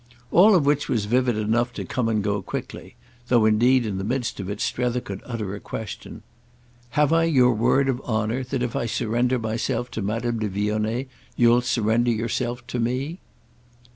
All of which was vivid enough to come and go quickly; though indeed in the midst of it Strether could utter a question. "Have I your word of honour that if I surrender myself to Madame de Vionnet you'll surrender yourself to _me?